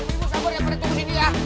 ibu sabar ya pada tunggu sini ya